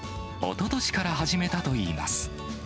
おととしから始めたといいます。